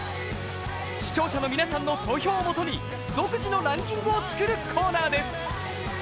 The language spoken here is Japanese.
視聴者の皆さんの投票をもとに独自のランキングをつくるコーナーです。